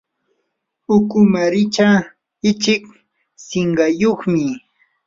ukumaricha ichik sinqayuqmi.